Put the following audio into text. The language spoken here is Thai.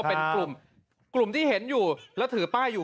ก็เป็นกลุ่มที่เห็นอยู่และถือป้ายอยู่